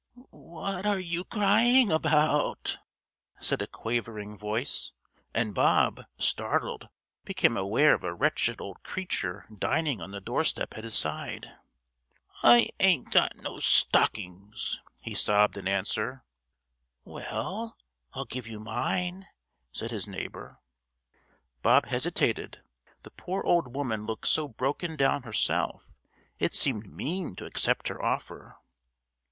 "What are you crying about?" said a quavering voice, and Bob, startled, became aware of a wretched old creature dining on the doorstep at his side. [Illustration: AN OLD WOMAN DINING ON THE DOORSTEP.] "I ain't got no stockings," he sobbed in answer. "Well, I'll give you mine," said his neighbour. Bob hesitated. The poor old woman looked so brokendown herself, it seemed mean to accept her offer.